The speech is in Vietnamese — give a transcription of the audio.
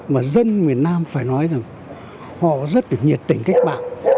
mà dân miền nam phải nói rằng họ rất là nhiệt tình cách bảo